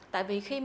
tại vì khi mà